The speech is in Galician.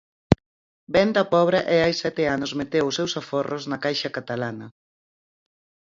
Vén da Pobra e hai sete anos meteu os seus aforros na Caixa Catalana.